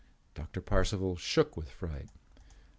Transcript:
Doctor Parcival shook with fright.